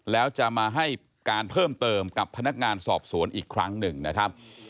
แล้วจะมาให้การเพิ่มเติมกับพนักงานสอบสวนอีกครั้งหนึ่งนะครับ